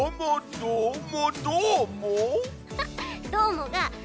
どーも！